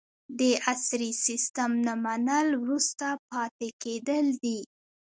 د عصري سیستم نه منل وروسته پاتې کیدل دي.